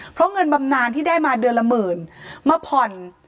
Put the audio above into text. เพราะเงินบำนานที่ได้มาเดือนละหมื่นมาผ่อน